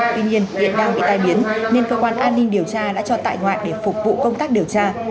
tuy nhiên hiện đang bị tai biến nên cơ quan an ninh điều tra đã cho tại ngoại để phục vụ công tác điều tra